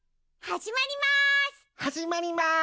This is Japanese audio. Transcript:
はじまります！